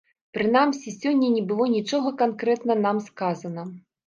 Прынамсі сёння не было нічога канкрэтна нам сказана.